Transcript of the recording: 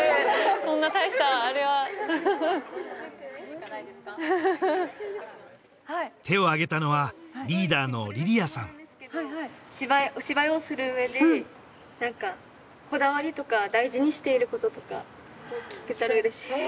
そんな大したあれはフフフ手を挙げたのはリーダーの莉々亜さんお芝居をする上で何かこだわりとか大事にしていることとか聞けたら嬉しいですええ